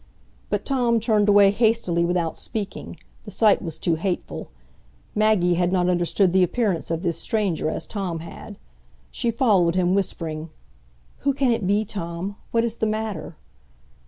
But Tom turned away hastily without speaking; the sight was too hateful. Maggie had not understood the appearance of this stranger, as Tom had. She followed him, whispering: "Who can it be, Tom? What is the matter?"